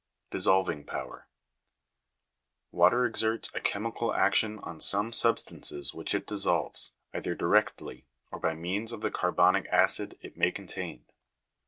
6. Dissolving power. Water exerts a chemical action an some substances which it dissolves, either directly or by means of the carbonic acid it may contain.